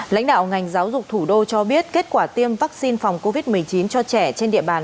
lãnh đạo ngành giáo dục thủ đô cho biết kết quả tiêm vaccine phòng covid một mươi chín cho trẻ trên địa bàn